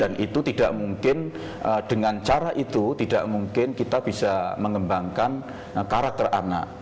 itu tidak mungkin dengan cara itu tidak mungkin kita bisa mengembangkan karakter anak